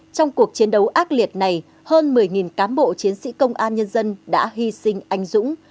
trong cuộc chiến đấu ác liệt này hơn một mươi cán bộ chiến sĩ công an nhân dân đã hy sinh anh dũng